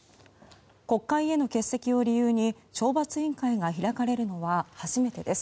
国会への欠席を理由に懲罰委員会が開かれるのは初めてです。